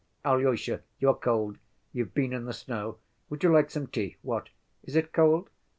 Alyosha, you are cold. You've been in the snow. Would you like some tea? What? Is it cold?